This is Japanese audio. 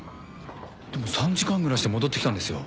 でも３時間ぐらいして戻ってきたんですよ。